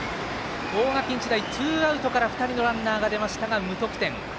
大垣日大、ツーアウトから２人のランナーが出ましたが無得点。